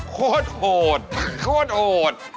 โคตรโหดโคตรโอด